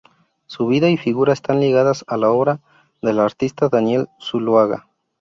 Su vida y figura están ligadas a la obra del artista Daniel Zuloaga.